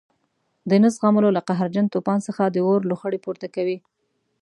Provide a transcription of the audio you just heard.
د نه زغملو له قهرجن توپان څخه د اور لوخړې پورته کوي.